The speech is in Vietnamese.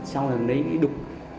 xong rồi lấy cái đục